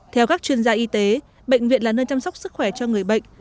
theo các chuyên gia y tế bệnh viện là nơi chăm sóc sức khỏe cho người bệnh